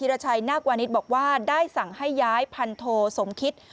รชัยนาควานิสบอกว่าได้สั่งให้ย้ายพันโทสมคิต